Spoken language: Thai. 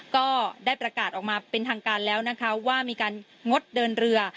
ก็ได้ประกาศออกมาเป็นทางการแล้วนะคะว่ามีการงดเดินเรือ